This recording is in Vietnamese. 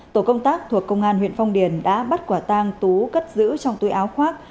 tổ công tác thuộc công an huyện phong điền đã bắt quả tang tú cất giữ trong túi áo khoác